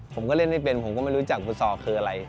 ผมก็เล่นไม่เป็นผมก็ไม่รู้จักฟุตซอลคืออะไร